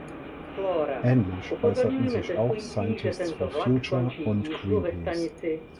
Ähnlich äußerten sich auch Scientists for Future und Greenpeace.